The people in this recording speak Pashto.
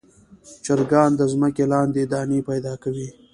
چرګان د ځمکې لاندې دانې پیدا کوي.